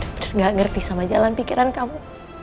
saya benar benar gak ngerti sama jalan pikiran kamu